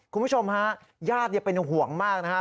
คุณผู้ชมฮะญาติเป็นห่วงมากนะครับ